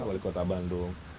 wali kota bandung